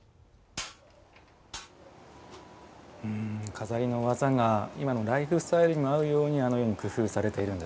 錺の技が今のライフスタイルにも合うようにあのように工夫されているんですね。